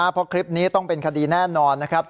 เพราะคลิปนี้ต้องเป็นคดีแน่นอน